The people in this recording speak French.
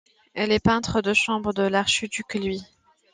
Il est peintre de chambre de l'archiduc Louis.